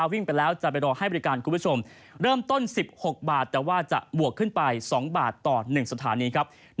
ว่าจะบวกขึ้นไป๒บาทต่อ๑สถานีครับ